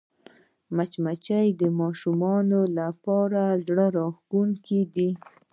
مچمچۍ د ماشومانو لپاره زړهراښکونکې ده